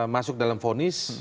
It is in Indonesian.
masuk dalam vonis